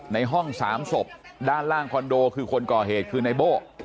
ในห้อง๓ศพด้านล่างคอนโดคือคนก่อเหตุคือในโบ้